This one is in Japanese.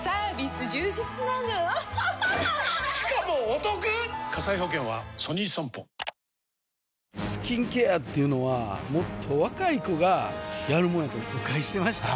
スキンケアっていうのはもっと若い子がやるもんやと誤解してました